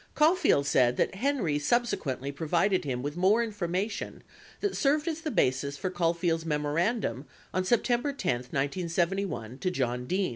94 Caulfield said that Henry subsequently provided him with more information that served as the basis for Caulfield's memorandum on September 10, 1971, to John Dean.